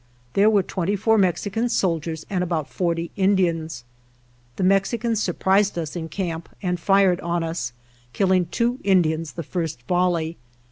There were twenty four Mexican soldiers and about forty Indians. The Mexicans sur prised us in camp and fired on us, killing two Indians the first volley.